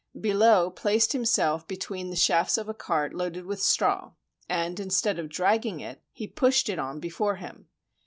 Billot placed himself between the shafts of a cart loaded with straw, and instead of dragging it, he pushed it on before him.